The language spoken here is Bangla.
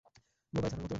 বোবায় ধরার মত?